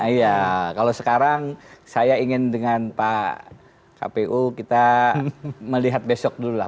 iya kalau sekarang saya ingin dengan pak kpu kita melihat besok dulu lah